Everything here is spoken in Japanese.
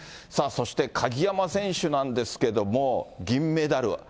さあ、そして鍵山選手なんですけども、銀メダル。